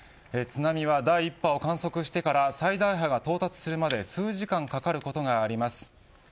津波は第１波を観測してから最大波が到達するまで数時間かかることがあります。